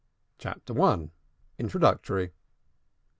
CHAPTER I. INTRODUCTORY.